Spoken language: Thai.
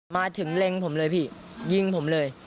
มาถึงเล็งผมเลยพี่ยิงผมเลย